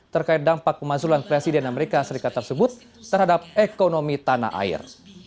terkait dampak pemazulan presiden amerika serikat tersebut terhadap ekonomi tanah air